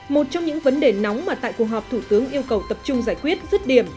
một trong những vấn đề nóng mà tại cuộc họp thủ tướng yêu cầu tập trung giải quyết rứt điểm